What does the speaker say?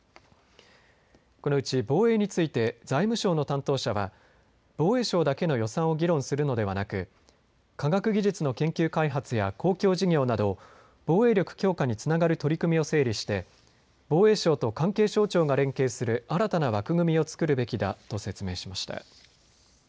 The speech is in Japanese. このうち防衛について財務省の担当者は防衛省だけの予算を議論するのではなく、科学技術の研究開発や公共事業など防衛力強化につながる取り組みを整理して防衛省と関係省庁が連携する新たな枠組みを作るべきだと説明しました。